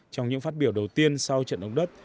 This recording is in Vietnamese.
trong những phát biểu đầu tiên sau trận động đất